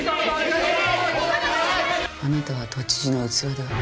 「あなたは都知事の器ではない！」